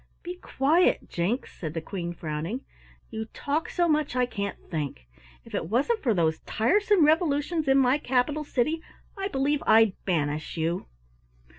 "Be quiet, Jinks," said the Queen frowning. "You talk so much I can't think. If it wasn't for those tiresome revolutions in my capital city, I believe I'd banish you.